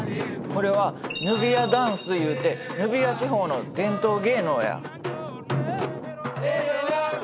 これはヌビアダンスいうてヌビア地方の伝統芸能や。